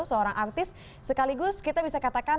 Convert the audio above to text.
seorang artis sekaligus kita bisa katakan